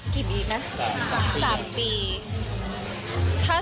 เขาพ่อแม่เขาแฮปปี้แล้ว